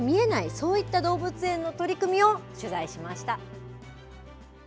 そういった動物園の取り組みを取材しました。